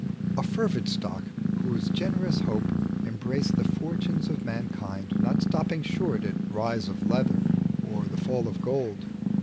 A fervid stock, whose generous hope embraced The fortunes of manlcind, not stopping short At rise of leather, or the fall of gold.